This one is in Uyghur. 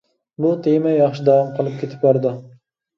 بۇ تېما ياخشى داۋام قىلىپ كېتىپ بارىدۇ.